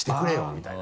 みたいな。